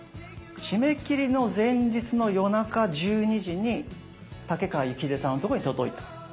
締め切りの前日の夜中１２時にタケカワユキヒデさんのとこに届いた。